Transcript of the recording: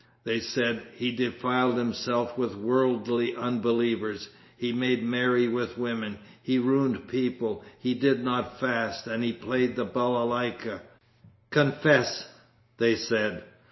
They said, "He defiled himself with worldly unbelievers; he made merry with women; he ruined people; he did not fast, and he played the balalayka. Confess," they said.